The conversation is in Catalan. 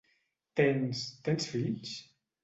Tens... tens fills?